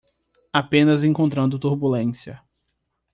Apenas encontrando turbulência